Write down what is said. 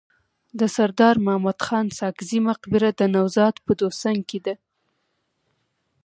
د سرداد مددخان ساکزي مقبره د نوزاد په دوسنګ کي ده.